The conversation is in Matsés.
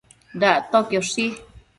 Dactoquioshi